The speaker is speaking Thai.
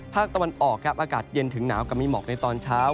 ภาคตะวันออกครับอากาศเย็นถึงหนาวกับมีหมอกในตอนเช้า